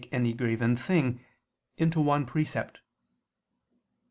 . any graven thing," into one precept.